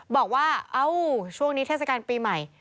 บอกว่าเอ้าช่วงนี้เทศกาลปีใหม่